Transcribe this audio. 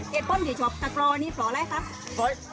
คนที่จบตะกรอนี้พออะไรครับ